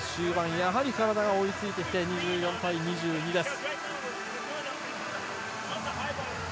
やはりカナダが追い付いてきて２４対２２です。